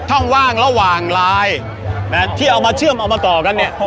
ว่างระหว่างลายที่เอามาเชื่อมเอามาต่อกันเนี่ย